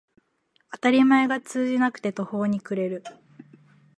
当たり前が通じなくて途方に暮れる